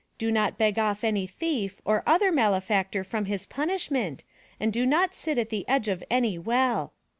Do not beg off any thief or other malefactor from his punishment and do not sit at the edge of any well.''